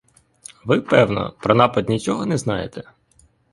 Ви, певно, про напад нічого не знаєте?